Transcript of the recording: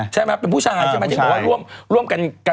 ใช่เดี๋ยวร่วมกันไง